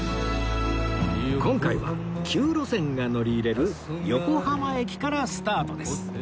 今回は９路線が乗り入れる横浜駅からスタートです